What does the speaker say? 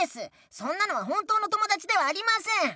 そんなのは本当の友だちではありません。